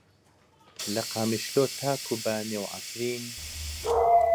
لە قامیشلۆ تا کۆبانێ و عەفرین.